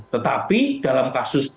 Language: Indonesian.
tetapi dalam kasus